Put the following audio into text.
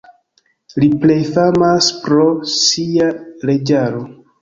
Li plej famas pro sia leĝaro.